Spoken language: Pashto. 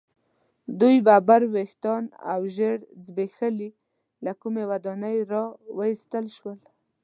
دوی ببر ویښتان او ژیړ زبیښلي له کومې ودانۍ را ویستل شول.